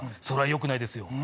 「それはよくないですよ